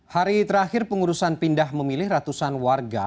hari terakhir pengurusan pindah memilih ratusan warga